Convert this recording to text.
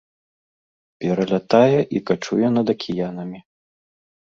Пералятае і качуе над акіянамі.